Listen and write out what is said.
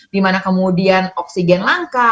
dimana kemudian oksigen langka